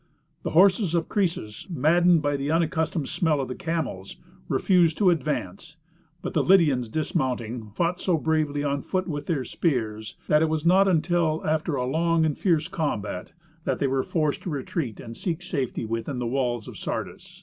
The horses of Croesus, maddened by the unaccustomed smell of the camels, refused to advance; but the Lydians, dismounting, fought so bravely on foot with their spears, that it was not until after a long and fierce combat that they were forced to retreat and seek safety within the walls of Sardis.